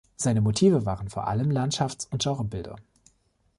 Seine Motive waren vor allem Landschafts- und Genrebilder.